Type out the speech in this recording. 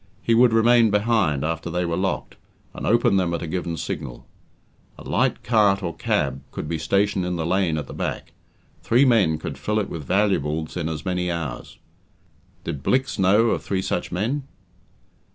He would remain behind after they were locked, and open them at a given signal. A light cart or cab could be stationed in the lane at the back, three men could fill it with valuables in as many hours. Did Blicks know of three such men?